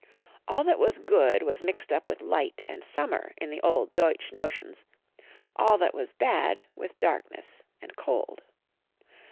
All that was good was mixed up with light and summer in the old Deutsch notions ; all that was bad with darkness and cold.